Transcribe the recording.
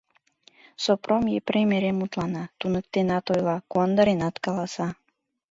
Сопром Епрем эре мутлана, туныктенат ойла, куандаренат каласа.